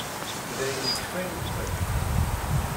Dayen, yekfa imeṭṭi.